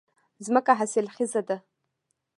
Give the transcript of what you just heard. ځمکه حاصلخېزه ده